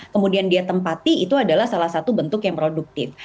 kemudian dia tempati itu adalah salah satu bentuk yang produktif